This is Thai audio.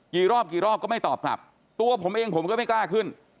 รอบกี่รอบก็ไม่ตอบกลับตัวผมเองผมก็ไม่กล้าขึ้น